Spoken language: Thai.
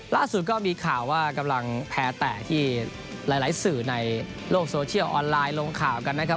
ล่าสุดก็มีข่าวว่ากำลังแพ้แตะที่หลายสื่อในโลกโซเชียลออนไลน์ลงข่าวกันนะครับ